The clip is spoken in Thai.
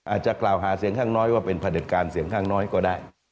อาจจะกล่าวหาเสียงข้างน้อยว่าเป็นผลิตการเสียงข้างน้อยก็ได้